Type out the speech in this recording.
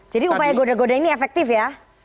upaya goda goda ini efektif ya